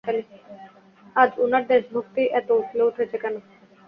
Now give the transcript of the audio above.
আজ উনার দেশভক্তি এত উতলে উঠেছে কেন?